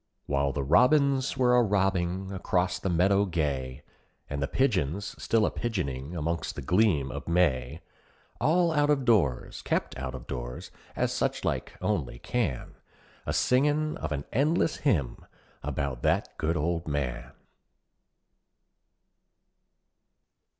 While the robins were a robbing acrost the meadow gay, And the pigeons still a pigeoning among the gleam of May, All out of doors kept out of doors as suchlike only can, A singing of an endless hymn about that good old man.